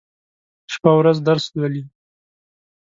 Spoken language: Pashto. شپه او ورځ درس لولي.